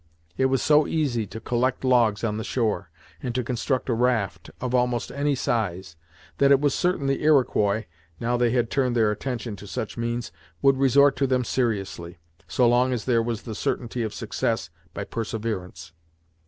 It was so easy to collect logs on the shore, and to construct a raft of almost any size, that it was certain the Iroquois, now they had turned their attention to such means, would resort to them seriously, so long as there was the certainty of success by perseverance.